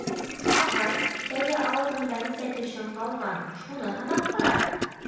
Ағай, тәүҙә ауыҙыңда нисә тешең ҡалған, шуны һанап ҡара!